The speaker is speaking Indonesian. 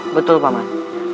betul pak man